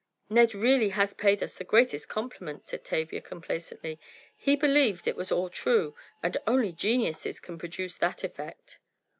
"Ned really has paid us the greatest compliment," said Tavia, complacently, "he believed it was all true, and only geniuses can produce that effect."